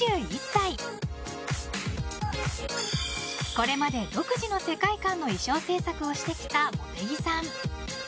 これまで独自の世界観の衣装制作をしてきた茂木さん。